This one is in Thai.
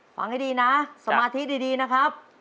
ฟังให้ดีนะสมาธิดีนะครับ